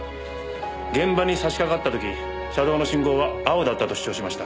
現場に差しかかった時車道の信号は青だったと主張しました。